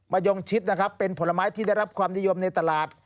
ยงชิดนะครับเป็นผลไม้ที่ได้รับความนิยมในตลาด